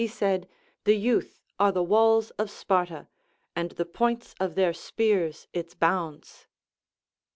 He said. The youth are the walls of Sparta, and the points of their spears its bounds.